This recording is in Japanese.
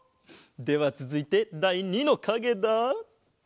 ではつづいてだい２のかげだ。